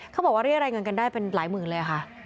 เขาบอกว่าเรียกรายเงินกันได้เป็นหลายหมื่นเลยค่ะ